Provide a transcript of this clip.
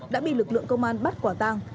đã bị lực lượng công an bắt quả tăng